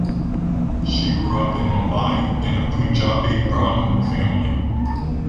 She grew up in Mumbai in a Punjabi Brahmin family.